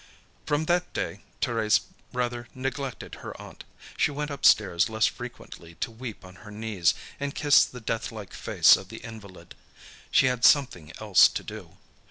From that day Thérèse rather neglected her aunt. She went upstairs less frequently to weep on her knees and kiss the deathlike face of the invalid. She had something else to do.